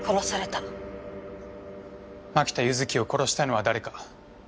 槙田柚生を殺したのは誰か。